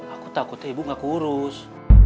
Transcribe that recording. aku takut ibu gak kurus